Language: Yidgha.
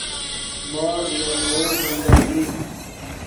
مورغ یو نوؤ زندگی